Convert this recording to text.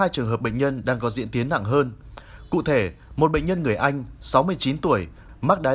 hai trường hợp bệnh nhân đang có diễn tiến nặng hơn cụ thể một bệnh nhân người anh sáu mươi chín tuổi mắc đá